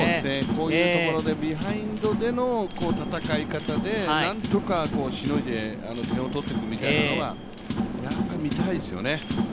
こういうところでビハインドでの戦い方で何とかしのいで点を取っていくみたいなのが見たいですよね。